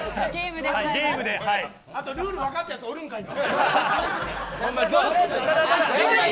あとルールが分かってるやつおるんかいな。